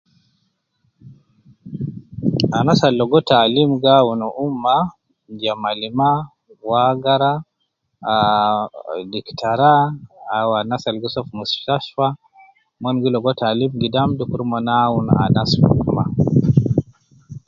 Anas Al logo taalim gi awunu ummah ja malima waagara diclktara anas Al gi so fi mustashfa, umon gi ligo taalim gidam yala umon so